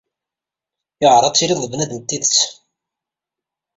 Yuɛer ad tilid d bnadem n tidet.